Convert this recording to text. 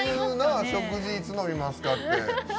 水いつ飲みますかって。